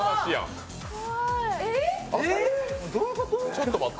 ちょっと待って。